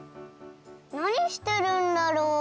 なにしてるんだろう？